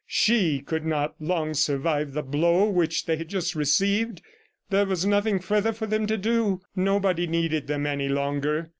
She could not long survive the blow which they had just received. There was nothing further for them to do; nobody needed them any longer.